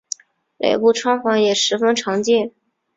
脸部穿环也十分常见。